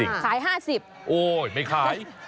ขาย๕๐บาทโอ้ยไม่ขาย